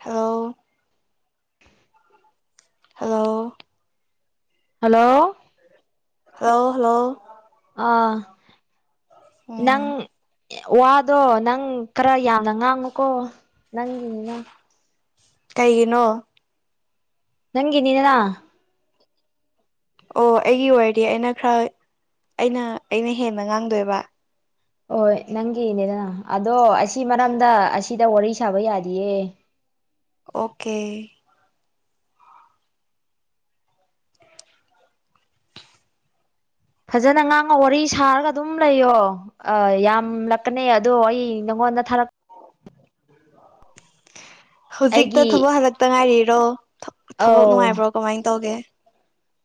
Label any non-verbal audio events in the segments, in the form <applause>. Hello. <inaudible> Hello. Hello. Hello hello. ꯑꯥ꯫ ꯎꯝ꯫ ꯅꯪ ꯋꯥꯗꯣ ꯅꯪ ꯈꯔ ꯌꯥꯝꯅ ꯉꯥꯡꯉꯨꯀꯣ ꯅꯪꯒꯤꯅꯤꯅ꯫ ꯀꯩꯒꯤꯅꯣ꯫ ꯅꯪꯒꯅꯤꯗꯅꯥ ꯑꯣ ꯑꯩꯒꯤ ꯑꯣꯏꯔꯗꯤ ꯑꯩꯅ ꯈꯔ ꯑꯩꯅ ꯑꯩꯅ ꯍꯦꯟꯅ ꯉꯥꯡꯗꯣꯏꯕ꯫ ꯍꯣꯏ ꯅꯪꯒꯤꯅꯦꯗꯅ ꯑꯗꯣ ꯑꯁꯤ ꯃꯔꯝꯗ ꯑꯁꯤꯗ ꯋꯥꯔꯤ ꯁꯥꯕ ꯌꯥꯗꯤꯌꯦ꯫ ꯑꯣꯀꯦ꯫ ꯐꯖꯅ ꯉꯥꯡꯉꯨ ꯋꯥꯔꯤ ꯁꯥꯔꯒ ꯑꯗꯨꯝ ꯂꯩꯌꯣ ꯌꯥꯝꯂꯛꯀꯅꯤ ꯑꯗꯣ ꯑꯩ ꯅꯪꯉꯣꯟꯗ ꯊꯥꯔꯛꯄ꯫ ꯍꯧꯖꯤꯛꯇ ꯑꯩꯒꯤ ꯊꯕꯛ ꯍꯜꯂꯛꯇ ꯉꯥꯏꯔꯤ ꯔꯣ꯫ ꯊꯕꯛ ꯑꯧ ꯅꯨꯡꯉꯥꯏꯕ꯭ꯔꯣ ꯀꯃꯥꯏꯅ ꯇꯧꯒꯦ꯫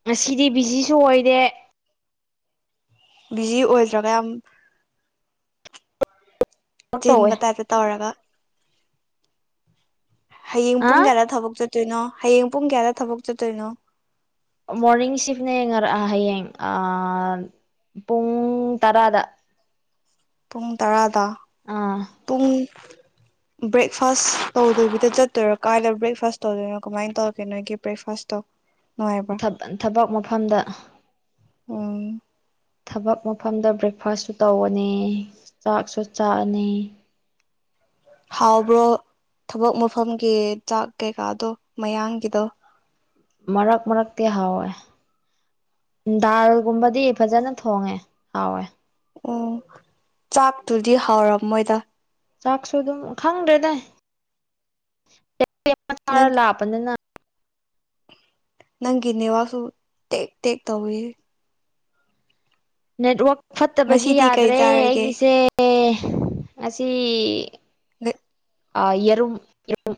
ꯉꯁꯤꯗꯤ ꯕꯤꯖꯤꯁꯨ ꯑꯣꯏꯗꯦ꯫ ꯕꯤꯖꯤ ꯑꯣꯏꯗ꯭ꯔꯒ ꯌꯥꯝ꯫ ꯊꯕꯛ ꯇꯧꯋꯦ ꯆꯤꯟꯕ ꯇꯥꯏꯞꯇ ꯇꯧꯔꯒ꯫ ꯍꯌꯦꯡ ꯑ ꯄꯨꯡ ꯀꯌꯥꯥ ꯊꯕꯛ ꯆꯠ꯫ ꯆꯠꯇꯣꯏꯅꯣ ꯍꯌꯦꯡ ꯄꯨꯡ ꯀꯌꯥꯗ ꯊꯕꯛ ꯆꯠꯇꯣꯏꯅꯣ꯫ ꯃꯣꯔꯅꯤꯡ ꯁꯤꯐꯅ ꯌꯦꯡꯉꯔꯛ ꯍꯌꯦꯡ ꯄꯨꯡ ꯇꯔꯥꯗ꯫ ꯄꯨꯡ ꯇꯔꯥ꯫ ꯇ ꯑꯥ ꯇꯨꯡ꯫ ꯕ꯭ꯔꯦꯛꯐꯥꯁ ꯇꯧꯗꯣꯏꯕꯤꯗ ꯆꯠꯇꯣꯏꯔꯣ ꯀꯥꯏꯗ ꯕ꯭ꯔꯦꯛꯐꯥꯁ ꯇꯧꯗꯣꯏꯅꯣ ꯀꯃꯥꯏꯅ ꯇꯧꯔꯒꯦ ꯅꯣꯏꯒꯤ ꯕ꯭ꯔꯦꯛꯐꯥꯁꯇꯣ꯫ ꯅꯨꯡꯉꯥꯏꯕ꯭ꯔꯥ ꯊꯕꯟ ꯊꯕꯛ ꯃꯐꯝꯗ ꯎꯝ ꯊꯕꯛ ꯃꯐꯝꯗ ꯕ꯭ꯔꯦꯛꯐꯥꯁꯁꯨ ꯇꯧꯕꯅꯤ ꯆꯥꯛꯁꯨ ꯆꯥꯑꯅꯤ ꯍꯥꯎꯕ꯭ꯔꯣ ꯊꯕꯛ ꯃꯐꯝꯒꯤ ꯆꯥꯛ ꯀꯩꯀꯥꯗꯣ ꯃꯌꯥꯡꯒꯤꯗꯣ ꯃꯔꯛ ꯃꯔꯛꯇꯤ ꯍꯥꯎꯋꯦ ꯗꯥꯜꯒꯨꯝꯕꯗꯤ ꯐꯖꯅ ꯊꯣꯡꯉꯦ ꯍꯥꯎꯋꯦ ꯑꯣ ꯆꯥꯛꯇꯨꯗꯤ ꯍꯥꯎꯔꯝꯃꯣꯏꯗ ꯆꯥꯛꯁꯨꯨ ꯑꯗꯨꯝ ꯈꯪꯗ꯭ꯔꯦꯗ ꯅꯪ <unintelligible> ꯅꯪꯒꯤ ꯅꯦꯋꯥꯛꯁꯨ ꯇꯦꯛ ꯇꯦꯛ ꯇꯧꯋꯦꯍꯦ ꯅꯦꯠꯋꯔ꯭ꯛ ꯐꯠꯇꯕꯒꯤ ꯉꯁꯤꯗꯤ ꯀꯩ ꯌꯥꯗ꯭ꯔꯦ ꯆꯥꯔꯒꯦ ꯑꯩꯒꯤꯁꯦ ꯑꯦ ꯉꯁꯤ <inaudible> ꯑꯥ ꯌꯦꯔꯨꯝ ꯌꯦ ꯔꯨꯝ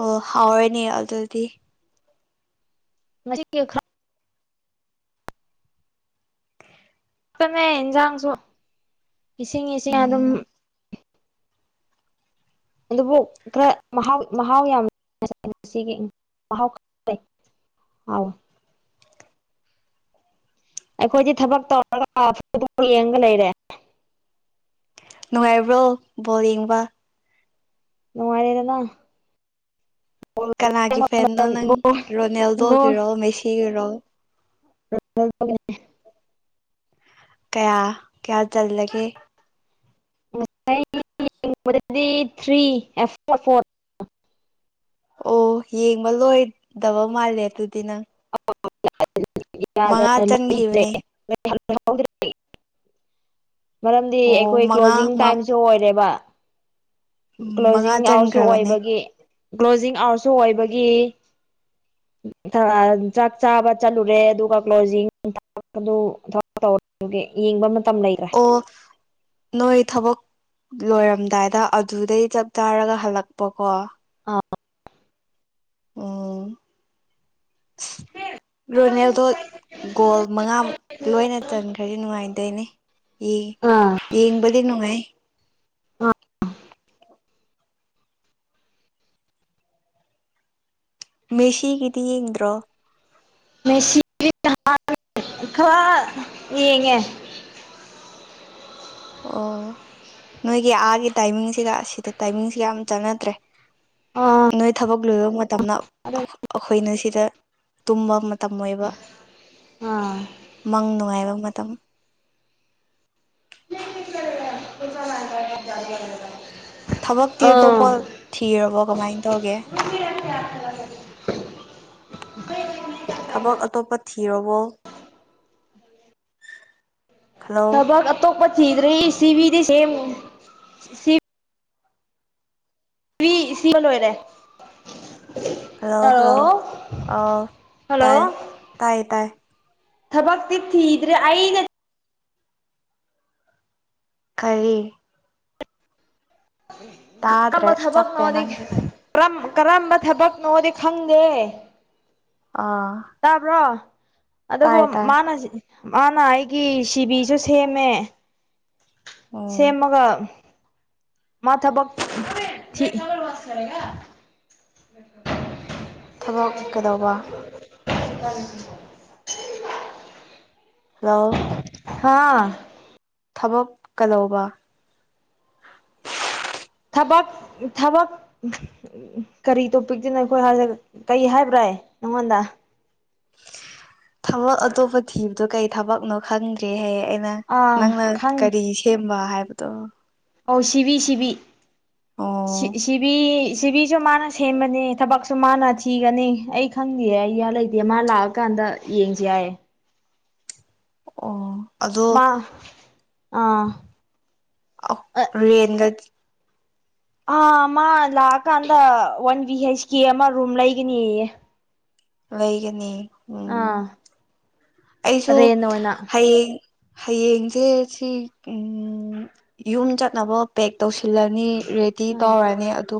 ꯑꯣ ꯍꯥꯎꯔꯦꯅꯦ ꯑꯗꯨꯗꯤ ꯉꯁꯤ ꯒꯤ ꯈꯔ ꯐꯝꯃꯦ ꯏꯟꯖꯥꯥꯡꯁꯨ ꯏꯁꯤꯡ ꯏꯁꯤꯡ ꯑꯗꯨꯝ ꯎꯝ <unintelligible> ꯑꯩꯈꯣꯏꯗꯤ ꯊꯕꯛ ꯇꯧꯔꯒ ꯑꯥ ꯐꯨꯠ ꯕꯣꯜ ꯌꯦꯡꯉꯒ ꯂꯩꯔꯦ ꯅꯨꯡꯉꯥꯏꯕ꯭ꯔꯣ ꯕꯣꯜ ꯌꯦꯡꯕ ꯅꯨꯡꯉꯥꯢꯔꯦꯗꯅ ꯀꯅꯥꯒꯤ ꯐꯦꯟꯅꯣ ꯅꯪ ꯔꯣꯅꯦꯜꯗꯣꯒꯤꯔꯣ ꯃꯦꯁꯤꯒꯤꯔꯣ ꯔꯣ <unintelligible> ꯀꯌꯥ ꯀ꯭ꯌꯥ ꯆꯜꯂꯒꯦ <unintelligible> ꯑꯣ ꯌꯦꯡꯕ ꯂꯣꯏ ꯗꯕ ꯃꯥꯜꯂꯦ ꯑꯗꯨꯗꯤ ꯅꯪ <unintelligible> <unintelligible> ꯃꯉꯥ <unintelligible> ꯆꯟꯈꯤꯕꯅꯦ ꯃꯔꯝꯗꯤ ꯑꯣ ꯑꯩꯈꯣꯏ ꯃꯉꯥ ꯀ꯭ꯂꯣꯖꯤꯡ ꯇꯥꯏꯝꯁꯨ ꯑꯣꯏꯔꯦꯕ ꯃꯉꯥ ꯀ꯭ꯂꯣꯖꯤꯡ ꯑꯋꯔꯁꯨ ꯆꯟꯈ꯭ꯔꯕꯅꯦ ꯑꯣꯏꯕꯒꯤ ꯀ꯭ꯂꯣꯖꯤꯡ ꯑꯋꯔꯁꯨ ꯑꯣꯏꯕꯒꯤ ꯊꯔꯑꯔ <unintelligible> ꯑꯣ ꯅꯣꯏ ꯊꯕꯛ ꯂꯣꯏꯔꯝꯗꯥꯏꯗ ꯑꯗꯨꯗꯩ ꯆꯞ ꯆꯥꯔꯒ ꯍꯜꯂꯛꯄꯀꯣ ꯑꯥ ꯑꯣ ꯔꯣꯅꯦꯜꯗꯣ ꯒꯣꯜ ꯃꯉꯥꯃꯨꯛ ꯂꯣꯏꯅ ꯆꯟꯈ꯭ꯔꯗꯤ ꯅꯨꯡꯉꯥꯏꯗꯦꯅꯦ ꯌꯦ ꯑꯥ ꯌꯦꯡꯕꯗꯤ ꯅꯨꯡꯉꯥꯏ ꯃꯦꯁꯤꯒꯤꯗꯤ ꯌꯦꯡꯗ꯭ꯔꯣ ꯃꯦꯁꯤ <unintelligible> ꯈꯔ ꯌꯦꯡꯉꯦ ꯑꯣ ꯅꯣꯏꯒꯤ ꯑꯥꯒꯤ ꯇꯥꯏꯃꯤꯡꯁꯤꯒ ꯁꯤꯗ ꯇꯥꯏꯃꯤꯡꯁꯤꯒ ꯌꯥꯝ ꯆꯥꯟꯅꯗ꯭ꯔꯦ ꯑꯥ ꯅꯣꯏ ꯊꯥꯕꯛ <unintelligible> ꯇꯞꯅ ꯑꯗꯨ ꯑꯩꯈꯣꯏꯅ ꯁꯤꯗ ꯇꯨꯝꯕ ꯃꯇꯝ ꯃꯇꯝ ꯑꯣꯏꯕ ꯑꯥ ꯃꯪ ꯅꯨꯡꯉꯥꯏꯕ ꯃꯇꯝ <unintelligible> ꯊꯕꯛꯇꯤ ꯑꯥ ꯑꯇꯣꯞꯄ ꯊꯤꯔꯕꯣ ꯀꯃꯥꯏꯅ ꯇꯧꯒꯦ <unintelligible> ꯊꯕꯛ ꯑꯇꯣꯞꯄ ꯊꯤꯔꯕꯣ ꯍꯜꯂꯣ ꯊꯕꯛ ꯑꯇꯣꯞꯄ ꯊꯤꯗ꯭ꯔꯤ ꯁꯤꯕꯤꯗꯤ ꯁꯦꯝꯃꯤ ꯁꯤꯕꯤ ꯁꯦꯝꯕ ꯂꯣꯏꯔꯦ ꯍꯜꯂꯣ ꯍꯜꯂꯣ ꯑꯣ ꯍꯜꯂꯣ ꯇꯥꯏ ꯇꯥꯌꯦ ꯇꯥꯌꯦ ꯊꯕꯛꯇꯤ ꯊꯤꯗ꯭ꯔꯦ ꯑꯩꯅ ꯀꯔꯤ ꯇꯥꯗ꯭ꯔꯦ ꯀꯔꯝꯕ ꯆꯞꯄꯦ ꯊꯕꯛꯅꯣꯗꯤ ꯅꯪꯒꯤ ꯀꯔꯝ ꯀꯔꯝꯕ ꯊꯕꯛꯅꯣꯗꯤ ꯈꯪꯗꯦ ꯑꯥ ꯇꯥꯕ꯭ꯔꯣ ꯑꯗꯨꯕꯣ ꯇꯥꯏ ꯇꯥꯏ ꯃꯅꯥ ꯁꯤ ꯃꯥꯅ ꯑꯩꯒꯤ ꯁꯤꯕꯤꯁꯨ ꯁꯦꯝꯃꯦ ꯎꯝ ꯁꯦꯝꯃꯒ ꯃꯥ ꯊꯕꯛ ꯊꯕꯛ ꯀꯩꯗꯧꯕ <unintelligible> ꯍꯜꯂꯣ ꯍꯥꯥ ꯊꯕꯛ ꯀꯩꯗꯧꯕ ꯊꯕꯛ ꯊꯕꯛ ꯀꯔꯤ ꯇꯣꯄꯤꯛꯇꯁꯤꯅꯣ ꯑꯩꯈꯣꯏ ꯀꯩ ꯍꯥꯏꯕ꯭ꯔꯥ ꯅꯪꯉꯣꯟꯗ ꯊꯕꯛ ꯑꯇꯣꯞꯄ ꯊꯤꯕꯗꯣ ꯀꯩ ꯊꯕꯛꯅꯣ ꯈꯪꯗ꯭ꯔꯦ ꯍꯥꯏꯌꯦ ꯑꯩꯅ ꯑꯥ ꯅꯪꯅ ꯈꯪ ꯀꯔꯤ ꯁꯦꯝ ꯍꯥꯏꯕꯇꯣ ꯑꯧ ꯁꯤꯕꯤ ꯁꯤꯕꯤ ꯁꯤ ꯑꯣ ꯁꯤꯕꯤ ꯄ꯭ꯔꯤꯊꯤꯕꯤꯁꯨ ꯃꯥꯅ ꯁꯦꯝꯃꯅꯤ ꯊꯕꯛꯁꯨ ꯃꯥꯅ ꯊꯤꯒꯅꯤ ꯑꯩ ꯈꯪꯗꯦ ꯑꯩꯌꯥ ꯂꯩꯇꯦ ꯃꯥ ꯂꯥꯛꯑꯀꯥꯟꯗ ꯌꯦꯡꯁꯤ ꯌꯥꯏꯌꯦ ꯑꯣ ꯑꯗꯣ ꯃꯥ ꯑꯥ ꯑ ꯔꯦꯟꯗ ꯑꯥ ꯃꯥ ꯂꯥꯛꯑꯀꯥꯟꯗ ꯋꯥꯟ ꯚꯤ ꯍꯩꯁꯀꯤ ꯑꯃ ꯔꯨꯝ ꯂꯩꯒꯅꯤꯌꯦ ꯂꯩꯒꯅꯤ ꯎꯝ ꯑꯥ ꯑꯩꯁꯨ ꯔꯦꯟ ꯑꯣꯏꯅ ꯍꯌꯦꯡ ꯍꯌꯦꯡꯁꯦ ꯁꯤ ꯌꯨꯝ ꯆꯠꯅꯕ ꯄꯦꯛ ꯇꯧꯁꯤꯜꯂꯅꯤ ꯔꯦꯗꯤ ꯑꯥ ꯇꯧꯔꯅꯤ ꯑꯗꯨ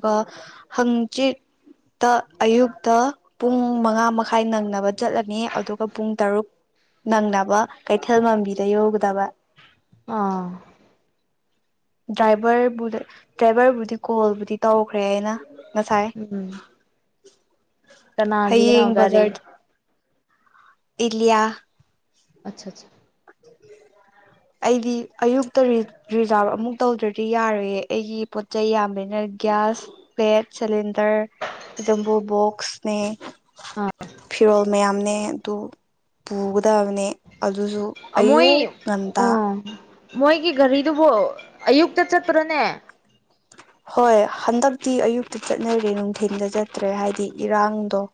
ꯍꯪꯆꯤꯠꯇ ꯑꯌꯨꯛꯇ ꯄꯨꯡ ꯃꯉꯥ ꯃꯈꯥꯏ ꯅꯪꯅꯕ ꯆꯠꯂꯅꯤ ꯑꯗꯨꯒ ꯄꯨꯡ ꯇꯔꯨꯛ ꯅꯪꯅꯕ ꯀꯩꯊꯦꯜ ꯃꯥꯟꯕꯤꯗ ꯌꯧꯒꯗꯕ ꯑꯥ ꯗ꯭ꯔꯥꯏꯚꯔꯕꯨ ꯗ꯭ꯔꯥꯏꯚꯔꯕꯨꯗꯤ ꯀꯣꯜꯕꯨꯗꯤ ꯇꯧꯈ꯭ꯔꯦ ꯑꯩꯅ ꯉꯁꯥꯏ ꯎꯝ ꯀꯅꯥꯒꯤꯅꯣ ꯍꯌꯦꯡ ꯒꯥꯔꯤ ꯕꯖꯥꯔ ꯏꯂꯤꯌꯥ ꯑꯆꯥ ꯑꯆꯥ ꯑꯩꯗꯤ ꯑꯌꯨꯛꯇ ꯔꯤꯖꯥꯔꯚ ꯑꯃꯨꯛ ꯇꯧꯗ꯭ꯔꯗꯤ ꯌꯥꯔꯣꯏꯌꯦ ꯑꯩꯒꯤ ꯄꯣꯠꯆꯩ ꯌꯥꯝꯕꯅ ꯒ꯭ꯌꯥꯁ ꯄꯦꯠ ꯁꯤꯂꯤ ꯗꯔ ꯖꯝꯕꯨ ꯕꯣꯛꯁ ꯑꯥ <unintelligible> ꯐꯤꯔꯣꯜ ꯃꯌꯥꯝ ꯅꯦ ꯇꯨ ꯄꯨꯒꯗ ꯕꯅꯦ ꯑꯗꯨꯁꯨ ꯃꯣꯏ ꯑꯌꯨꯛ ꯉꯟ ꯇ ꯑꯥ ꯃꯣꯏꯒꯤ ꯒꯥꯔꯤꯗꯨꯕꯨ ꯑꯌꯨꯛꯇ ꯆꯠꯄꯔꯥꯅꯦ ꯍꯣꯏ ꯍꯟꯗꯛꯇꯤ ꯑꯌꯨꯛꯇ ꯆꯠꯅꯔꯦ ꯅꯨꯡꯊꯤꯟꯗ ꯆꯠꯇ꯭ꯔꯦ ꯍꯥꯏꯗꯤ ꯏꯔꯥꯡꯗꯣ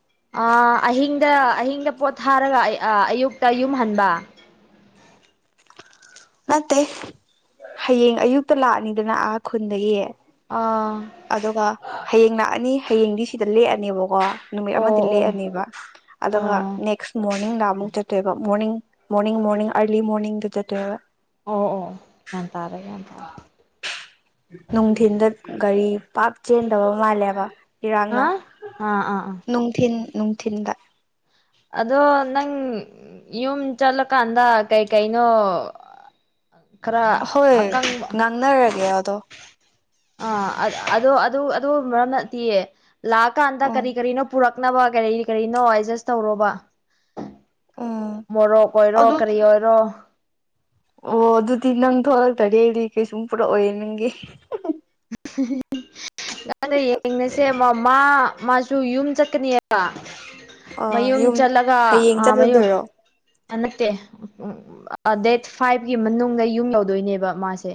ꯑ ꯑꯍꯤꯡꯗ ꯑꯍꯤꯡꯗ ꯄꯣꯠ ꯊꯥꯔꯒ ꯑꯌꯨꯛꯇ ꯌꯨꯝ ꯍꯟꯕ ꯅꯠꯇꯦ ꯍꯌꯦꯡ ꯑꯌꯨꯛꯇ ꯂꯥꯛꯑꯅꯤꯗꯅ ꯑꯥ ꯈꯨꯟꯗꯒꯤ ꯑ ꯑꯗꯨꯒ ꯍꯌꯦꯡ ꯂꯥꯛꯑꯅꯤ ꯍꯌꯦꯡꯗꯤ ꯁꯤꯗ ꯂꯦꯛꯑꯅꯦꯕꯀꯣ ꯅꯨꯃꯤꯠ ꯑꯣ ꯑꯃꯗꯤ ꯑꯣ ꯂꯦꯛꯑꯅꯦꯕ ꯑꯗꯨꯒ ꯑꯣ ꯅꯦꯛꯁ ꯃꯣꯔ ꯃꯣꯔꯅꯤꯡ ꯗꯑꯃꯨꯛ ꯆꯠꯇꯣꯏꯕ ꯃꯣꯔꯅꯤꯡ ꯃꯣꯔꯅꯤꯡ ꯃꯣꯔꯅꯤꯡ ꯑꯔꯂꯤ ꯃꯣꯔꯅꯤꯡꯗ ꯆꯠꯇꯦꯕ ꯑꯣ ꯑꯣ ꯒ꯭ꯌꯥꯟ ꯇꯥꯔꯦ ꯒ꯭ꯌꯥꯟ ꯇꯥꯔꯦ ꯅꯨꯡꯊꯤꯟꯗ ꯒꯥꯔꯤ ꯄꯥꯛ ꯆꯦꯟꯗꯕ ꯃꯥꯜꯂꯦꯕ ꯏꯔꯥꯡꯅ ꯍꯥ ꯑꯥ ꯑꯥ ꯑꯥ ꯅꯨꯡꯊꯤꯜ ꯅꯨꯡꯊꯤꯜꯗ ꯑꯗꯣ ꯅꯪ ꯌꯨꯝ ꯆꯠꯂꯀꯥꯟꯗ ꯀꯩ ꯀꯩꯅꯣ ꯈꯔ ꯍꯣꯏ ꯉꯥꯡꯅꯔꯒꯦ ꯇꯣ ꯑ ꯑ ꯑꯗꯨ ꯑꯗꯨ ꯃꯔꯝ ꯅꯠꯇꯤꯌꯦ ꯂꯥꯛ ꯀꯥꯟꯗ ꯎꯝ ꯀꯔꯤ ꯀꯔꯤꯅꯣ ꯄꯨꯔꯛ ꯊꯛꯅꯕ ꯀꯔꯤ ꯀꯔꯤꯅꯣ ꯑꯦꯗꯖꯁ ꯇꯧꯔꯣꯕ ꯎꯝ ꯃꯣꯔꯣꯛ ꯑꯣꯏꯔꯣ ꯑꯗꯨ ꯀꯔꯤ ꯑꯣꯏꯔꯣ ꯑꯣ ꯑꯗꯨꯗꯤ ꯅꯪ ꯊꯣꯛꯂꯛꯇꯔꯗꯤ ꯀꯩꯁꯨꯝ ꯄꯨꯔꯛꯑꯣꯏꯑꯦ ꯅꯪꯒꯤ ꯅꯪꯗ ꯌꯦꯡꯉꯁꯦ ꯃ ꯃꯥ ꯃꯥꯁꯨ ꯌꯨꯝ ꯆꯠꯀꯅꯤꯕ ꯑ ꯃꯌꯨꯝ ꯌꯨꯝ ꯆꯠꯂꯒ ꯍꯌꯦꯡ ꯑꯥ ꯃꯌꯨꯝ ꯆꯠꯂꯨꯗꯣꯏꯔꯣ ꯅꯠꯇꯦ ꯗꯦꯠ ꯐꯥꯏꯚꯀꯤ ꯃꯅꯨꯡꯗ ꯌꯨꯝ ꯌꯧꯗꯣꯏꯅꯦꯕ ꯃꯥꯁꯦ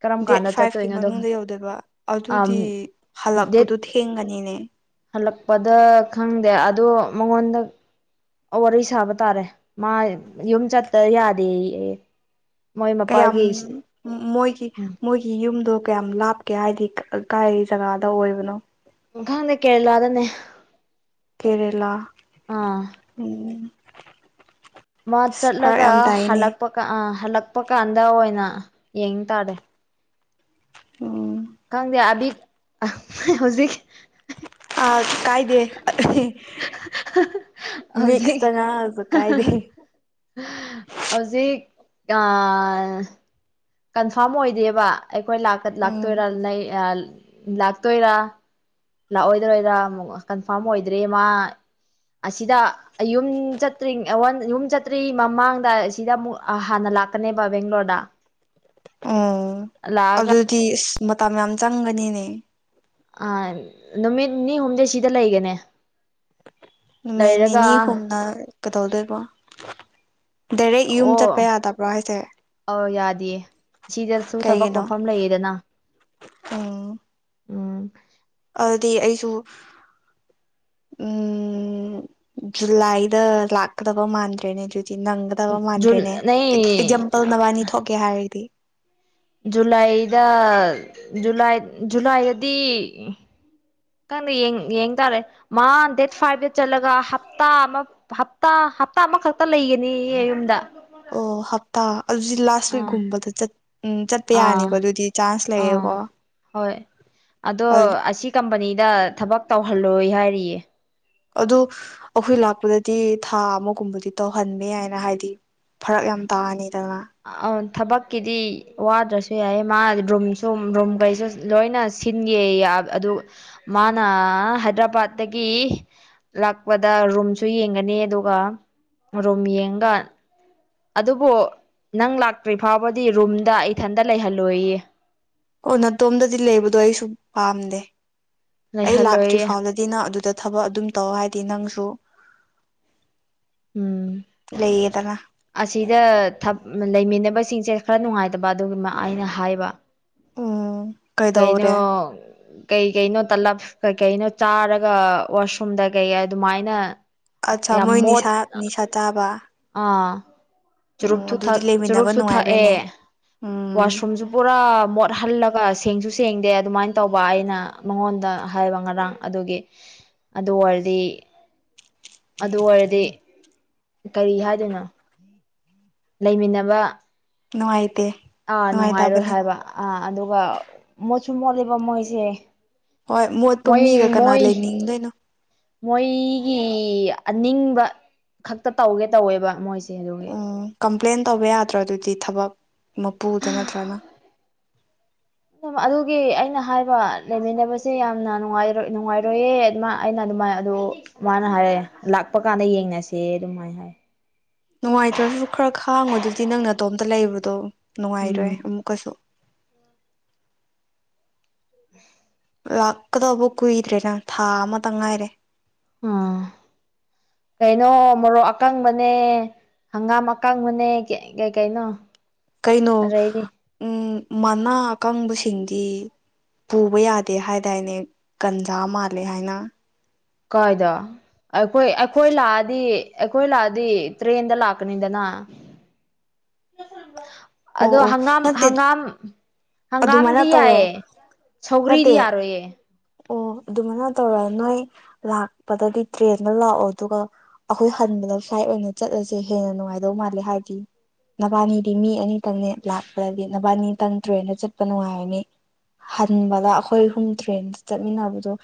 ꯀꯔꯝ ꯀꯥꯟꯗ ꯆꯠꯇꯣꯏꯅꯣ ꯑꯗꯨꯒ ꯗꯣꯏꯕ ꯑꯗꯨꯗꯤ ꯗꯦꯠ ꯍꯜꯂꯛꯄꯗꯣ ꯊꯦꯡ ꯅꯤꯅꯦ ꯍꯜꯂꯛꯄꯗ ꯈꯪꯗꯦ ꯑꯗꯣ ꯃꯉꯣꯟꯗ ꯋꯥꯔꯤ ꯁꯥꯕ ꯇꯥꯔꯦ ꯃꯥ ꯌꯨꯝ ꯆꯠꯇ ꯌꯥꯗꯦ ꯑꯦ ꯀꯌꯥꯝ ꯃꯣꯏꯒꯤ ꯎꯝ ꯃꯣꯏꯒꯤ ꯌꯨꯝꯗꯣ ꯀꯌꯥꯝ ꯂꯥꯞꯀꯦ ꯍꯥꯏꯗꯤ ꯀꯥꯏ ꯖꯒꯥꯗ ꯑꯣꯏꯕꯅꯣ ꯈꯪꯗꯦ ꯀꯦꯔꯦꯂꯥꯗꯅꯦ ꯀꯦꯔꯦꯂꯥ ꯑꯥ ꯎꯝ ꯃꯥ ꯐꯔꯛ ꯆꯠꯂꯒ ꯌꯥꯝ ꯇꯥꯏꯅꯦ ꯍꯜꯂꯛꯄ ꯀꯥꯟ ꯑꯥ ꯍꯜꯂꯛꯄ ꯀꯥꯟꯗ ꯑꯣꯏꯅ ꯌꯦꯡ ꯇꯥꯔꯦ ꯎꯝ ꯈꯪꯗꯦ ꯑꯕꯤ ꯍꯧꯖꯤꯛ ꯑ ꯀꯥꯏꯗꯦ ꯍꯧꯖꯤꯛ ꯃꯤꯛꯁꯇ ꯉꯥꯡꯕꯁꯨ ꯀꯥꯏꯗꯦ ꯑꯥ ꯀꯟꯐꯥꯔꯝ ꯑꯣꯏꯗꯦꯕ ꯑꯩꯈꯣꯏ ꯎꯝ ꯂꯥꯛꯇꯣꯏꯔꯥ ꯂꯥꯛꯇꯣꯏꯔꯥ ꯂꯥꯛꯑꯣꯏꯗꯣꯏꯔꯥ ꯑꯃꯨꯛ ꯀꯟꯐꯥꯔꯝ ꯑꯣꯏꯗ꯭ꯔꯦꯃ ꯑꯁꯤꯗ ꯌꯨꯝ ꯆꯠꯇ꯭ꯔꯤꯉ ꯌꯨꯝ ꯆꯠꯇ꯭ꯔꯤꯉꯩ ꯃꯃꯥꯡꯗ ꯑꯁꯤꯗ ꯑꯃꯨꯛ ꯍꯥꯟꯅ ꯂꯥꯛꯀꯅꯦꯕ ꯕꯦꯡꯒ꯭ꯂꯣꯔꯗ ꯎꯝ ꯂꯥꯛꯑꯒ ꯑꯗꯨꯗꯤ ꯃꯇꯝ ꯌꯥꯝ ꯆꯪꯒꯅꯤꯅꯦ ꯑ ꯅꯨꯃꯤꯠ ꯅꯤꯅꯤ ꯍꯨꯝꯅꯤ ꯁꯤꯗ ꯂꯩꯒꯅꯤ ꯅꯨꯃꯤꯠ ꯅꯤꯅꯤ ꯍꯨꯝꯅꯤ ꯀꯗꯧꯗꯣꯏꯕ ꯗꯥꯏꯔꯦꯛ ꯌꯨꯝ ꯆꯠꯄ ꯑꯣ ꯌꯥꯗꯕ꯭ꯔꯣ ꯍꯥꯏꯁꯦ ꯗꯦ꯫ ꯁꯤꯗꯁꯨ ꯊꯕꯛ ꯀꯩꯒꯤꯅꯣ ꯃꯐꯝ ꯂꯩꯌꯦꯗꯅ꯫ ꯎꯝ ꯎꯝ꯫ ꯑꯗꯨꯗꯤ ꯑꯩꯁꯨ ꯎꯝ ꯖꯨꯂꯥꯏꯗ ꯂꯥꯛꯀꯗꯕ ꯃꯥꯟꯗ꯭ꯔꯦꯅꯦ ꯑꯗꯨ꯫ ꯅꯪꯒꯗꯕ ꯃꯥꯟꯗ꯭ꯔꯦꯅꯦ ꯅ ꯑꯦꯛꯖꯥꯝꯄꯜ ꯅꯕꯥꯅꯤ ꯊꯣꯛꯀꯦ ꯍꯥꯏꯔꯗꯤ꯫ ꯖꯨꯂꯥꯏꯗ꯫ ꯖꯨꯂꯥꯏ ꯖꯨꯂꯥꯏꯗꯗꯤ ꯌꯦꯡ ꯇꯥꯔꯦ ꯃꯥ ꯗꯦꯠ ꯐꯥꯏꯚꯇ ꯆꯠꯂꯒ ꯍꯞꯇꯥ ꯑꯃ ꯍꯞꯇꯥ ꯍꯞꯇꯥ ꯑꯃꯈꯛꯇ ꯂꯩꯒꯅꯤ ꯌꯨꯝꯗ꯫ ꯑꯣ ꯍꯞꯇꯥ ꯑꯗꯨꯗꯤ ꯂꯥꯁ ꯑꯥ ꯋꯤꯛꯀꯨꯝꯕꯗ ꯆꯠ꯫ ꯎꯝ ꯆꯠꯄ ꯑꯥ ꯌꯥꯅꯤꯀꯣ ꯑꯗꯨꯗꯤ ꯆꯥꯟꯁ ꯑꯥ ꯂꯩꯌꯦꯀꯣ꯫ ꯍꯣꯏ ꯑꯗꯣ ꯑꯁꯤ ꯀꯝꯄꯅꯤ꯫ ꯗ ꯊꯕꯛ ꯇꯧꯍꯜꯂꯣꯏ ꯍꯥꯏꯔꯤꯌꯦ꯫ ꯑꯗꯨ ꯑꯩꯈꯣꯏ ꯂꯥꯛꯄꯗꯗꯤ ꯊꯥ ꯑꯃꯒꯨꯝꯕꯗꯤ ꯇꯧꯍꯟꯅꯤꯅꯥ ꯍꯥꯏꯅ ꯍꯥꯏꯌꯦ ꯐꯔꯛ ꯌꯥꯝ ꯇꯥꯅꯤ꯫ <unintelligible> ꯊꯕꯛꯀꯤꯗꯤ ꯋꯥꯗ꯭ꯔꯁꯨ ꯌꯥꯏ ꯃꯥ ꯔꯨꯝꯁꯨ ꯔꯨꯝꯈꯩꯁꯨ ꯂꯣꯏꯅ ꯁꯤꯟꯒꯦ ꯑꯗꯨ ꯃꯥꯅ ꯍꯥꯏꯗ꯭ꯔꯕꯥꯠꯇꯠꯇꯒꯤ ꯂꯥꯛꯄꯗ ꯔꯨꯝꯁꯨ ꯌꯦꯡꯒꯅꯤ ꯑꯗꯨꯒ ꯔꯨꯝ ꯌꯦꯡꯒ꯫ ꯑꯗꯨꯕꯨ ꯅꯪ ꯂꯥꯛꯇ꯭ꯔꯤ ꯐꯥꯎꯕꯗꯤ ꯔꯨꯝꯗ ꯏꯊꯟꯇ ꯂꯩꯍꯜꯂꯣꯏꯌꯦ꯫ ꯀꫭ ꯅꯥꯇꯣꯝꯗꯗꯤ ꯂꯩꯕꯗꯣ ꯑꯩꯁꯨ ꯄꯥꯝꯗꯦ꯫ ꯑꯩ ꯂꯥꯛꯇ꯭ꯔꯤ ꯂꯩꯍꯜꯂꯣꯏꯌꯦ ꯐꯥꯎꯗꯗꯤ ꯅꯪ ꯑꯗꯨꯗ ꯊꯕꯛ ꯑꯗꯨꯝ ꯇꯧ ꯍꯥꯏꯗꯤ ꯅꯪꯁꯨ ꯎꯝ ꯂꯩꯌꯦꯗꯅ ꯑꯁꯤꯗ ꯊꯕ ꯂꯩꯃꯤꯟꯅ ꯕꯁꯤꯡꯁꯦ ꯈꯔ ꯅꯨꯡꯉꯥꯏꯇꯕ ꯑꯗꯨꯒꯤ ꯑꯩꯅ ꯍꯥꯏꯕ ꯎꯝ ꯀꯩꯅꯣ ꯀꯩꯗꯧꯔꯦ ꯀꯩ ꯀꯩꯅꯣ ꯇꯂꯞ ꯀꯩꯀꯩꯅꯣ ꯆꯥꯔꯒ ꯋꯥꯁꯔꯨꯝꯗ ꯀꯩ ꯑꯗꯨꯃꯥꯏꯅ ꯑꯠꯆꯥ ꯌꯥꯝ ꯃꯣꯏ ꯃꯣꯠ ꯅꯤꯁꯥ ꯅꯤꯁꯥ ꯆꯥꯕꯥ꯫ ꯑꯥ ꯆꯨꯔꯨꯞꯁꯨ ꯊꯛ ꯂꯩꯃꯤꯟꯅꯕ ꯆꯨꯔꯨꯞꯁꯨ ꯊꯛꯑꯦ꯫ ꯅꯨꯡꯉꯥꯏꯔꯣꯏꯅꯦ ꯎꯝ ꯋꯥꯁꯔꯨꯝꯁꯨ ꯄꯨꯔꯥ ꯃꯣꯠꯍꯜꯂꯒ ꯁꯦꯡꯁꯨ ꯁꯦꯡꯗꯦ ꯑꯗꯨꯃꯥꯏꯅ ꯇꯧꯕ ꯑꯩꯅ ꯃꯉꯣꯟꯗ ꯍꯥꯏꯕ ꯉꯔꯥꯡ ꯑꯗꯨꯒꯤ ꯑꯗꯨ ꯑꯣꯏꯔꯗꯤ ꯑꯗꯨ ꯑꯣꯏꯔꯗꯤ ꯀꯔꯤ ꯍꯥꯏꯗꯣꯏꯅꯣ꯫ ꯂꯩꯃꯤꯟꯅꯕ ꯅꯨꯡꯉꯥꯏ ꯑꯥ ꯅꯨꯡꯉꯥꯏꯔꯣꯏ ꯍꯥꯏꯕ ꯑꯥ ꯑꯗꯨꯒ ꯃꫭꯠꯁꯨ ꯁꯨ ꯃꯣꯠꯂꯦꯕ ꯃꯣꯏꯁꯦ꯫ ꯍꯣꯏ ꯃꯣꯠꯄ ꯃꯣꯏ ꯃꯤꯒ ꯀꯅꯥ ꯃꯣꯏ ꯂꯩꯅꯤꯡꯗꯣꯏꯅꯣ꯫ ꯃꯣꯏꯒꯤ ꯑꯅꯤꯡꯕ ꯈꯛꯇ ꯇꯧꯒꯦ ꯇꯧꯋꯦꯕ ꯃꯣꯏꯁꯦ꯫ ꯁꯦ ꯑꯗꯨꯒꯤ ꯎꯝ ꯀꯝꯄ꯭ꯂꯦꯟ ꯇꯧꯕ ꯌꯥꯗ꯭ꯔꫭ ꯑꯗꯨꯗꯤ ꯊꯕꯛ ꯃꯄꯨꯗ ꯅꯠꯇ꯭ꯔꯅ꯫ ꯑꯗꯨꯒꯤ ꯑꯩꯅ ꯍꯥꯏꯕ ꯂꯩꯃꯤꯟꯅꯕꯁꯦ ꯌꯥꯝꯅ ꯅꯨꯡꯉꯥꯏꯔꯣꯏꯌꯦ ꯑꯗꯨꯃꯥꯏ ꯑꯩꯅ ꯑꯗꯨꯃꯥꯏꯅ ꯑꯗꯨ ꯃꯥꯅ ꯍꯥꯏꯔ ꯂꯥꯛꯄ ꯀꯥꯟꯗ ꯌꯦꯡꯅꯁꯦ ꯑꯗꯨꯃꯥꯏꯅ ꯍꯥꯏ꯫ ꯅꯨꯡꯉꯥꯏꯇ꯭ꯔꯁꯨ ꯈꯔ ꯈꯥꯡꯉꯨ ꯑꯗꯨꯗꯤ ꯅꯪꯇꯣꯝ ꯇꯥ ꯂꯩꯕꯗꯣ ꯎꯝ ꯅꯨꯡꯉꯥꯏꯔꯣꯏ ꯑꯃꯨꯛꯀꯁꯨ꯫ ꯂꯥꯛꯀꯗꯕ ꯀꯨꯏꯗꯔ꯭ꯦꯅ ꯊꯥ ꯑꯃ ꯇꯪ ꯉꯥꯏꯔꯦ꯫ ꯎꯝ ꯀꯩꯅꯣ ꯃꯔꯣꯛ ꯑꯀꯪ ꯃꯅꯦ ꯍꯪꯒꯥꯝ ꯑꯀꯥꯡꯕꯅꯦ ꯀ ꯀꯩꯅꯣ ꯀꯩꯅꯣ ꯑꯗꯩꯗꯤ ꯎꯝ ꯃꯅꯥ ꯑꯀꯪꯕꯁꯤꯡꯗꯤ ꯄꯨꯕ ꯌꯥꯗꯦ ꯍꯥꯏꯗꯥꯏꯅꯦ ꯒꯟꯖꯥ ꯃꯥꯜꯂꯦ ꯍꯥꯏꯅ꯫ ꯀꯥꯏꯗ ꯑꯩꯈꯣꯏ ꯑꯩꯈꯣꯏ ꯂꯥꯛꯑꯗꯤ ꯑꯩꯈꯣꯏ ꯂꯥꯛꯑꯗꯤ ꯇ꯭ꯔꯦꯟꯗ ꯂꯥꯛꯀꯅꯤꯗꯅ꯫ ꯑꯣ ꯑꯗꯣ ꯑꯣ ꯍꯪꯒꯥꯝ ꯅꯠꯇꯦ ꯍꯪꯒꯥꯝ ꯑꯗꯨꯃꯥꯏꯅ ꯍꯪꯒꯥꯝꯗꯤ ꯇꯧꯔꯣ ꯌꯥꯏꯑꯦ ꯁꯧꯒ꯭ꯔꯤꯗꯤ ꯅꯠꯇꯦ ꯌꯥꯔꯣꯏꯌꯦ꯫ ꯑꯣ ꯑꯗꯨꯃꯥꯏꯅ ꯇꯧꯔ ꯅꯣꯏ ꯂꯥꯛꯄꯗꯗꯤ ꯇ꯭ꯔꯦꯟꯗ ꯂꯥꯛꯑꯣ ꯑꯗꯨꯒ ꯑꯩꯈꯣꯏ ꯍꯟꯕꯗ ꯐ꯭ꯂꯥꯏꯠ ꯑꯣꯏꯅ ꯆꯠꯂꯁꯦ ꯍꯦꯟꯅ ꯅꯨꯡꯉꯥꯏꯗꯧ ꯃꯥꯜꯂꯦ ꯍꯥꯏꯗꯤ ꯅꯕꯥꯅꯤꯗꯤ ꯃꯤ ꯑꯅꯤꯇꯪꯅꯦ ꯂꯥꯛꯄꯗꯗꯤ ꯅꯕꯥꯅꯤꯇꯪ ꯇ꯭ꯔꯦꯟꯗ ꯆꯠꯄ ꯅꯨꯡꯉꯥꯏꯔꯅꯤ ꯍꯟꯕꯗ ꯑꯩꯈꯣꯏ ꯑꯍꯨꯝ ꯇ꯭ꯔꯦꯟ ꯆꯠꯃꯤꯟꯅꯕꯗꯣ